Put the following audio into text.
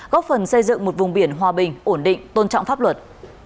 góp phần xây dựng một vùng biển hòa bình ổn định tôn trọng pháp luật